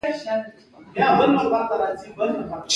بډای له غریب خبر وي.